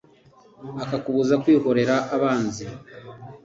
akakubuza kwihorera a abanzi